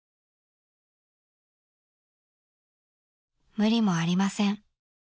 ［「無理もありません」］